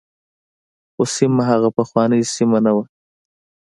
خو سیمه هغه پخوانۍ سیمه نه ده.